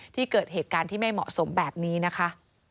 เกิดเหตุการณ์ที่ไม่เหมาะสมแบบนี้นะคะ